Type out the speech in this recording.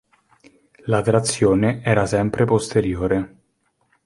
La trazione era sempre posteriore.